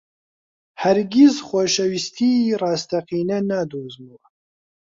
هەرگیز خۆشەویستیی ڕاستەقینە نادۆزمەوە.